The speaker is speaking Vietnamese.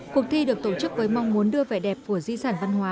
cuộc thi được tổ chức với mong muốn đưa vẻ đẹp của di sản văn hóa